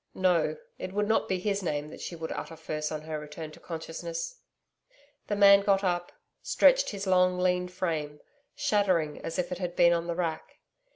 No, it would not be his name that she would utter first on her return to consciousness. The man got up; stretched his long, lean frame, shuddering as if it had been on the rack.